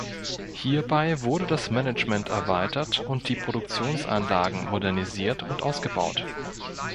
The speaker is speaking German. Hierbei wurde das Management erweitert und die Produktionsanlagen modernisiert und ausgebaut.